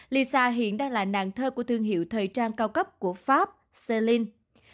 lisa hiện đang là nàng thơ của thương hiệu thời trang cao cấp của pháp selin